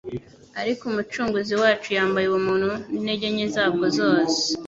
Ariko Umucunguzi wacu yambaye ubumuntu, n'intege nke zabwo zose